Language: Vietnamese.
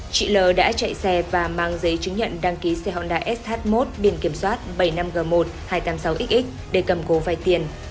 chị l đã chạy xe và mang giấy chứng nhận đăng ký xe honda sh một biển kiểm soát bảy mươi năm g một hai trăm tám mươi sáu x để cầm cố vai tiền